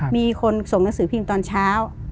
มีคนส่งหนังสือพิมพ์ตอนเช้า